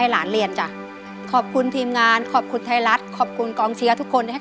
ยายเรียกผมว่าพี่ออโต้